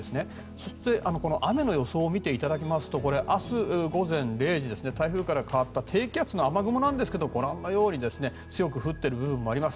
そして、雨の予想を見ていただきますと明日午前０時台風から変わった低気圧の雨雲ですがご覧のように強く降っている部分もあります。